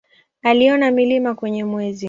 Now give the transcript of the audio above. Aliona milima kwenye Mwezi.